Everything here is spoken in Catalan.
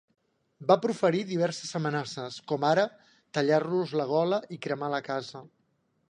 Va proferir diverses amenaces, com ara tallar-los la gola i cremar la casa.